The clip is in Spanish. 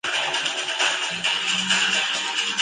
Matías Díaz Padrón la relacionó con el estilo de Mabuse.